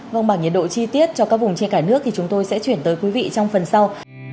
vâng bảng nhiệt độ chi tiết cho các vùng trên cả nước thì chúng tôi sẽ chuyển tới quý vị trong phần sau